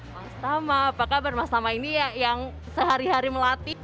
mas tama apa kabar mas tama ini yang sehari hari melatih